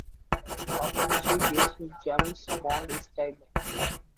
সব কিছুই বেশ জেমস বন্ড স্টাইলে।